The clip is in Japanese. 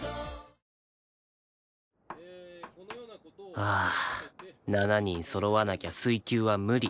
ああ７人そろわなきゃ水球は無理